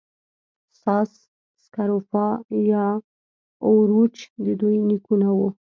ساس سکروفا یا اوروچ د دوی نیکونه وو.